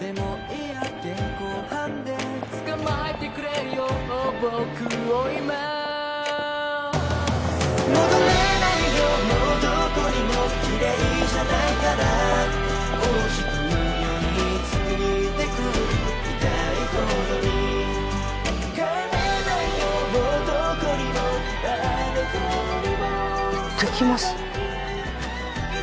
いってきます？